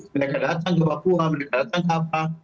mereka datang ke papua mereka datang ke apa